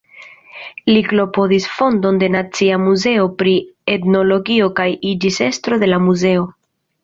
Li klopodis fondon de Nacia Muzeo pri Etnologio kaj iĝis estro de la muzeo.